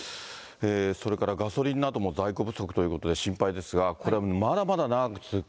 それからガソリンなども在庫不足ということで心配ですが、これ、まだまだ長く続く？